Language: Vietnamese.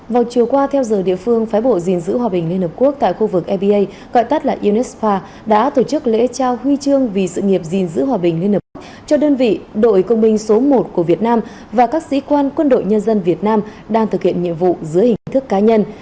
vào chiều qua theo giờ địa phương phái bộ dình giữ hòa bình liên hợp quốc tại khu vực eba gọi tắt là unespa đã tổ chức lễ trao huy chương vì sự nghiệp gìn giữ hòa bình liên hợp quốc cho đơn vị đội công binh số một của việt nam và các sĩ quan quân đội nhân dân việt nam đang thực hiện nhiệm vụ dưới hình thức cá nhân